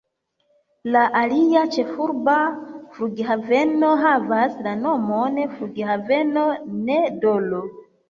La alia ĉefurba flughaveno havas la nomon flughaveno N’Dolo.